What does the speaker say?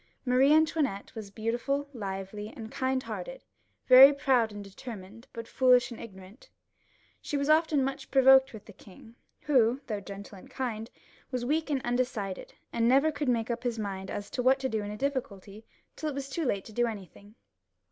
Marie Antoinette was beautiful, lively, and kind hearted, very proud and determined, but foolish and ignorant. She was often much provoked with the king, who, though kind and gentle, was weak and undecided, and never could make up his mind as to what to do in a difficulty, tiU it was too late to do anything.